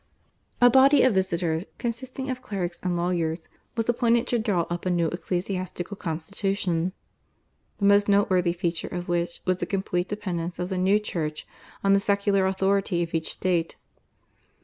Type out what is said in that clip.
A body of visitors consisting of clerics and lawyers was appointed to draw up a new ecclesiastical constitution, the most noteworthy feature of which was the complete dependence of the new church on the secular authority of each state.